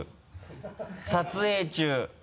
撮影中？